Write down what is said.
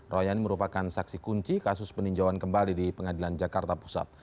royani merupakan saksi kunci kasus peninjauan kembali di pengadilan jakarta pusat